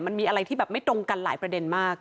มันมีอะไรที่แบบไม่ตรงกันหลายประเด็นมาก